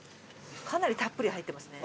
かなりたっぷり入ってますね。